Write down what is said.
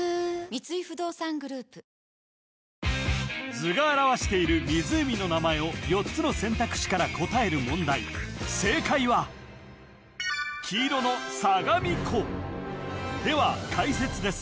図が表している湖の名前を４つの選択肢から答える問題正解は黄色の相模湖では解説です